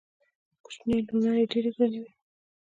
کوچنۍ لوڼي ډېري ګراني وي.